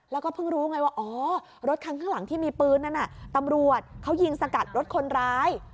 แล้วก็เพิ่งรู้ไงว่าอ๋อรถคันข้างหลังที่มีปืนนั้นน่ะตำรวจเขายิงสกัดรถคนร้าย